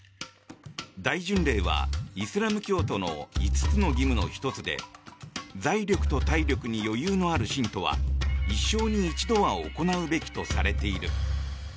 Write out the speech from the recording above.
大巡礼はイスラム教徒の５つの義務の１つで財力と体力に余裕のある信徒は一生に一度は行うべきとされている。